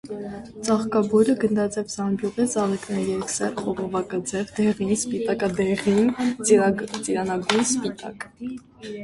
Ծաղկաբույլը գնդաձև զամբյուղ է, ծաղիկները՝ երկսեռ, խողովակաձև, դեղին, սպիտակադեղին, ծիրանագույն, սպիտակ։